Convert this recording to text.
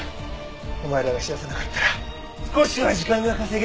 お前らが知らせなかったら少しは時間が稼げるか？